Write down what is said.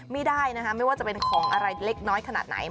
ไม่ได้นะคะไม่ว่าจะเป็นของอะไรเล็กน้อยขนาดไหน